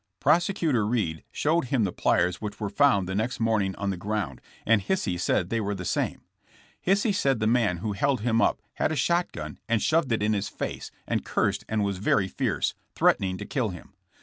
Prosecutor Reed showed him the pliers which were found the next morning on the ground, and Hisey said they were the same. Hisey said the man who held him up had a shot gun and shoved it in his face and cursed and was very fierce, threatening to kill him.